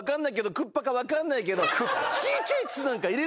「くっぱ」か分かんないけど。